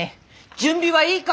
準備はいいか？